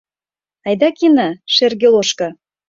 Айда кена шӹргы лошкы.